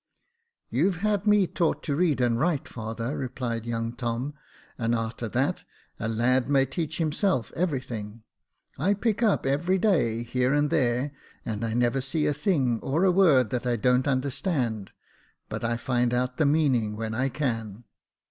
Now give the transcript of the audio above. " You've had me taught to read and write, father," replied young Tom ;" and a'ter that, a lad may teach himself everything. I pick up every day, here and there ; and I never see a thing or a word that I don't understand but I find out the meaning when I can.